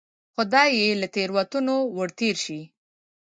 خدای یې له تېروتنو ورتېر شي.